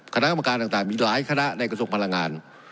คณะอำการต่างมีหลายคณะในกรุงศพพลังงาน